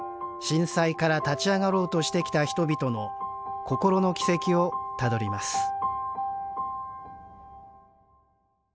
震災から立ち上がろうとしてきた人々の心の軌跡をたどります